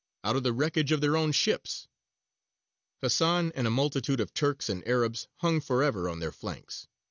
out of the wreckage of their own ships. Hasan and a multitude of Turks and Arabs hung forever on their flanks.